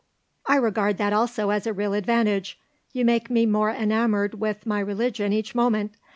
"I regard that also as a real advantage; you make me more enamoured with my religion each moment.